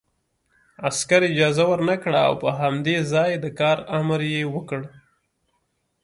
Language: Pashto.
عسکر اجازه ورنکړه او په همدې ځای د کار امر یې وکړ